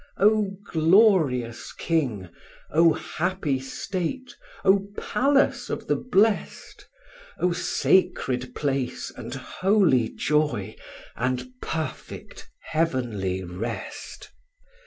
O glorious King, O happy state, O palace of the blest! O sacred place and holy joy, and perfect, heavenly rest!